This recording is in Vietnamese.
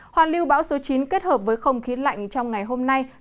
hoàn lưu bão số chín kết hợp với không khí lạnh trong ngày hôm nay